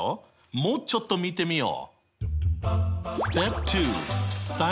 もうちょっと見てみよう！